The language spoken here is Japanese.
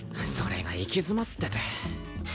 それが行き詰まってて。